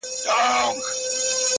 له سړي څخه یې پیل کړلې پوښتني-